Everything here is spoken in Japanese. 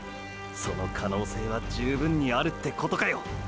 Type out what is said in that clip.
その可能性は十分にあるってことかよ！！